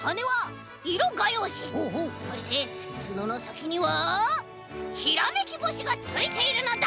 そしてつののさきにはひらめきぼしがついているのだ！